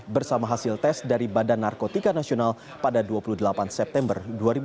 bersama hasil tes dari badan narkotika nasional pada dua puluh delapan september dua ribu dua puluh